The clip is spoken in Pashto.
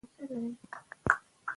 پرنګیان د غازيانو قوت نه سو کنټرولولی.